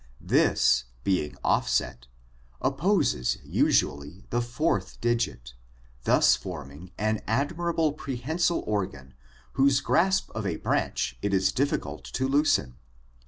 This, being offset, opposes usually the fourth digit, thus forming an admirable prehensile organ whose grasp of a branch it is difficult to loosen.